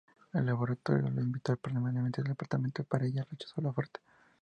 El laboratorio la invitó permanentemente al Departamento, pero ella rechazó la oferta.